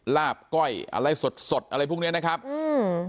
ลาบก้อยอะไรสดสดอะไรพวกเนี้ยนะครับอืม